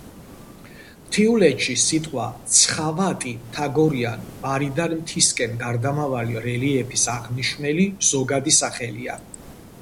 მთიულეთში სიტყვა „ცხავატი“ მთაგორიან, ბარიდან მთისკენ გარდამავალი რელიეფის აღმნიშვნელი ზოგადი სახელია.